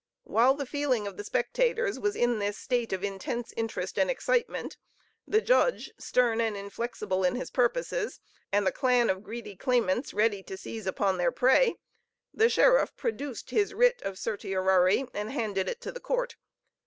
While the feeling of the spectators was in this state of intense interest and excitement, the judge, stern and inflexible in his purposes, and the clan of greedy claimants ready to seize upon their prey, the sheriff produced his writ of certiorari and handed it to the court.